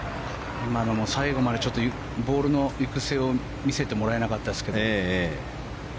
今のも最後までボールの行く末を見せてもらえなかったですけど。